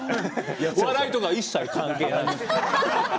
笑いとか一切関係ない。